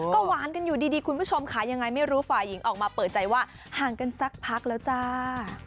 ก็หวานกันอยู่ดีคุณผู้ชมค่ะยังไงไม่รู้ฝ่ายหญิงออกมาเปิดใจว่าห่างกันสักพักแล้วจ้า